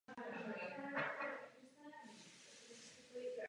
Jedná se o digitální joystick s jedním tlačítkem.